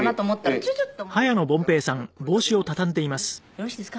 よろしいですか？